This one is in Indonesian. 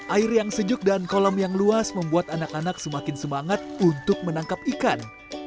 air yang sejuk dan kolam yang luas membuat anak anak semakin semangat untuk menangkap ikan